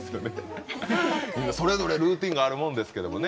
それぞれルーティンがあるものですけどね。